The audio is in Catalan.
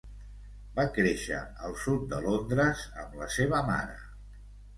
Va créixer al sud de Londres, amb la seva mare.